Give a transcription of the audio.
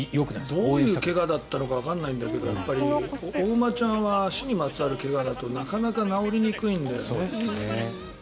どういう怪我だったのかわからないんだけどお馬ちゃんは足にまつわる怪我だとなかなか治りにくいんだよね。